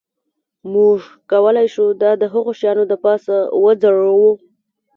موږ کولی شو دا د هغو شیانو د پاسه وځړوو